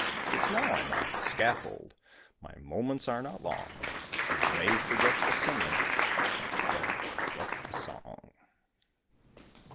It's now I'm on the scaffold, My moments are not long; You may forget the singer But don't forget the song.